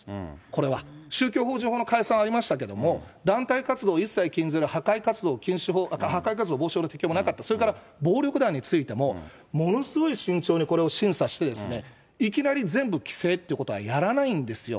これは、宗教法人の解散はありましたけれども、団体活動を一切禁じる破壊活動禁止法、破壊活動防止法の禁止もなかった、それから暴力団についても、ものすごい慎重にこれを審査して、いきなり全部規制ということはやらないんですよ。